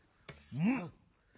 うん！